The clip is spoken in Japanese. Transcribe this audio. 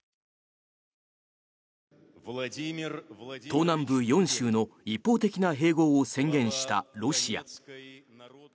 東南部４州の一方的な併合を宣言したロシア。